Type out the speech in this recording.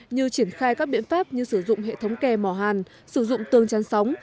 như triển khai các biện pháp như sử dụng hệ thống kè mỏ hàn sử dụng tương chăn sóng